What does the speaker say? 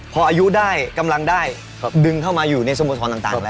พออายุได้กำลังได้ดึงเข้ามาอยู่ในสโมทรต่างแล้ว